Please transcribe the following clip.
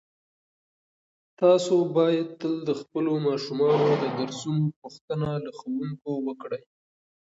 تاسو باید تل د خپلو ماشومانو د درسونو پوښتنه له ښوونکو وکړئ.